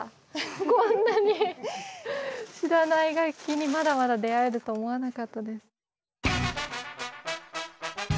こんなに知らない楽器にまだまだ出会えると思わなかったです。